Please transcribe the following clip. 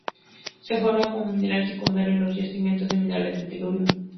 Se forma como mineral secundario en los yacimientos de minerales del telurio.